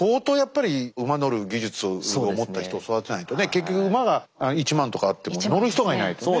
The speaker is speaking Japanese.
結局馬が１万とかあっても乗る人がいないとね。